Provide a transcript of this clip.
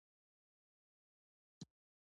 خوړل د تفاهم لاره ده